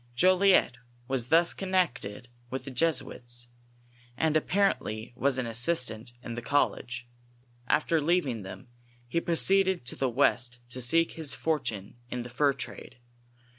Jolliet was thus connected with the Jesuits, and apparently was an assistant in the college. After leaving them, he proceeded to the west to seek his for tune in the fur trade.